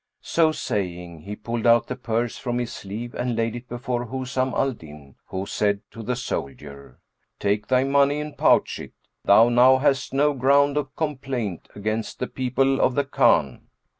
So saying, he pulled out the purse from his sleeve and laid it before Husam al Din, who said to the soldier, "Take thy money and pouch it; thou now hast no ground of complaint against the people of the khan."